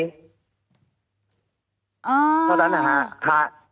เพราะฉะนั้นนะฮะ